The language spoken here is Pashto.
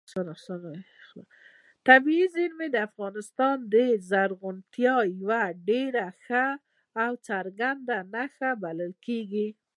طبیعي زیرمې د افغانستان د زرغونتیا یوه ډېره ښه او څرګنده نښه بلل کېږي.